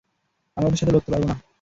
আমরা ওদের সাথে লড়তে পারবো না।